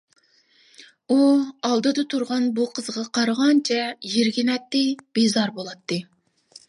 ئۇ ئالدىدا تۇرغان بۇ قىزغا قارىغانچە يىرگىنەتتى، بىزار بولاتتى.